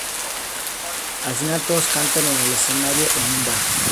Al final, todos cantan en el escenario en un bar.